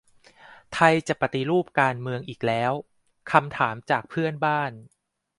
"ไทยจะปฏิรูปการเมือง อีกแล้ว ?" คำถามจากเพื่อนบ้าน